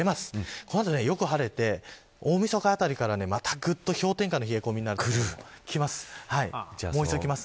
この後よく晴れて大みそかあたりからまた氷点下の冷え込みがきます。